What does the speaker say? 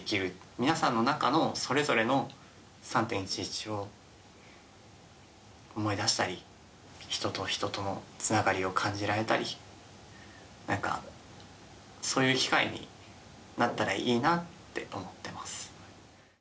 皆さんの中の、それぞれの３・１１を思い出したり、人と人とのつながりを感じられたり、なんか、そういう機会になったらいいなって思ってます。